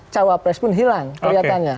cawapres pun hilang kelihatannya